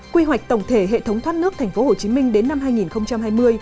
quy hoạch tổng thể hệ thống thoát nước tp hcm đến năm hai nghìn hai mươi